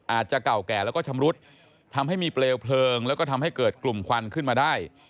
อาจจะเก่าแก่แล้วก็ชำรุดทำให้มีเปลวเพลิงแล้วก็ทำให้เกิดกลุ่มควันขึ้นมาได้